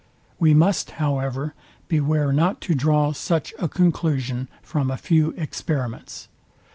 We must, however, beware not to draw such a conclusion from a few experiments.